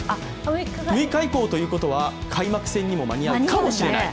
６日以降ということは、開幕戦にも間に合うかもしれない。